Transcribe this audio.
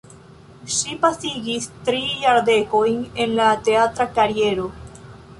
Ŝi pasigis tri jardekojn en la teatra kariero.